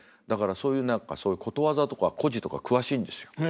だからそういう何かことわざとか故事とか詳しいんですよ。